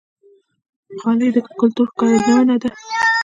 غلۍ د کلتور ښکارندوی ده.